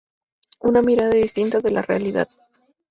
Una mirada distinta de la realidad.